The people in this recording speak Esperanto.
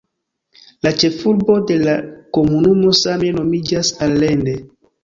La ĉefurbo de la komunumo same nomiĝas "Allende".